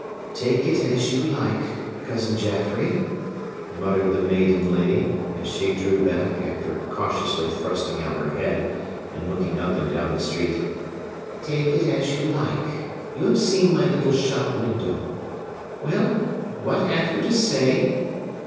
"Take it as you like, Cousin Jaffrey," muttered the maiden lady, as she drew back, after cautiously thrusting out her head, and looking up and down the street,—"Take it as you like! You have seen my little shop window. Well!—what have you to say?